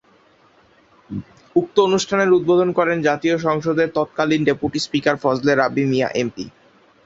উক্ত অনুষ্ঠানের উদ্বোধন করেন জাতীয় সংসদের তৎকালীন deputy speaker Fazle Rabbi Miah MP.